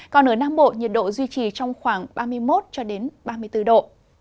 còn ở nam bộ nhiệt độ duy trì trong khoảng ba mươi một ba mươi bốn độ